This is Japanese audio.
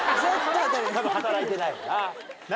多分働いてないもんな。